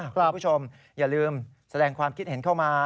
คุณผู้ชมอย่าลืมแสดงความคิดเห็นเข้ามา